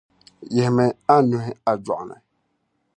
Yihimi a nuhi a jɔɣu ni.